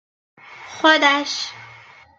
خودش